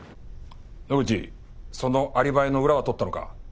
野口そのアリバイの裏は取ったのか？